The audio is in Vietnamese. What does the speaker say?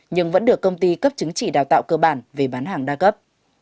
nhưng vẫn được công ty cấp chứng chỉ đào tạo cơ bản về bán hàng đa cấp